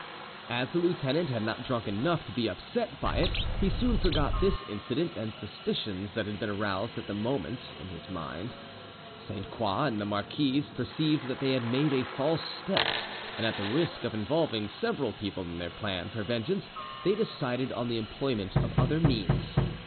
As the lieutenant had not drunk enough to be upset by it, he soon forgot this incident and the suspicions that had been aroused at the moment in his mind. Sainte Croix and the marquise perceived that they had made a false step, and at the risk of involving several people in their plan for vengeance, they decided on the employment of other means.